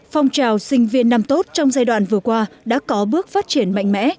phong trào sinh viên năm tốt trong giai đoạn vừa qua đã có bước phát triển mạnh mẽ